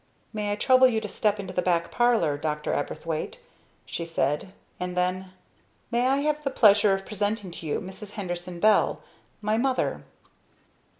"May I trouble you to step into the back parlor, Dr. Aberthwaite," she said; and then; "May I have the pleasure of presenting to you Mrs. Henderson Bell my mother?"